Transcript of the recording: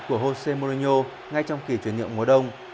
của jose morino ngay trong kỳ chuyển nhượng mùa đông